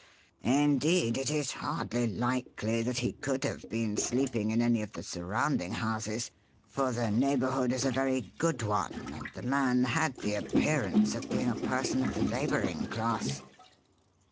Indeed, it is hardly likely that he could have been sleeping in any of the surrounding houses, for the neighbourhood is a very good one, and the man had the appearance of being a person of the labouring class."